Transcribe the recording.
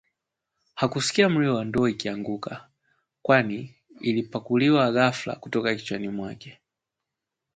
Hakusikia mlio wa ndoo ikianguka, kwani ilikwapuliwa ghafla kutoka kichwani mwake